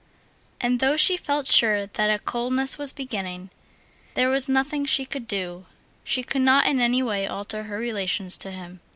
And though she felt sure that a coldness was beginning, there was nothing she could do, she could not in any way alter her relations to him.